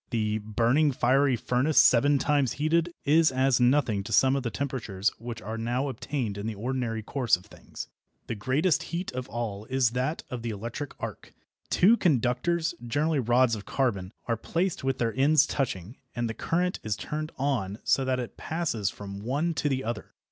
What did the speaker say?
The "burning fiery furnace" "seven times heated" is as nothing to some of the temperatures which are now obtained in the ordinary course of things. The greatest heat of all is that of the electric arc. Two conductors, generally rods of carbon, are placed with their ends touching, and the current is turned on so that it passes from one to the other.